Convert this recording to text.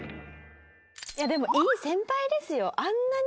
いやでもいい先輩ですよ。